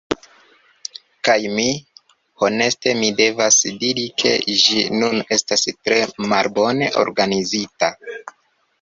Kaj mi… Honeste mi devas diri ke ĝi nun estas tre malbone organizita.